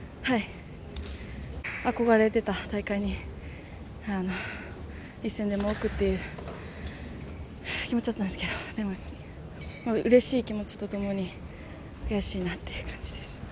憧れていた大会に一戦でも多くという気持ちだったんですけどうれしい気持ちとともに悔しいなという感じです。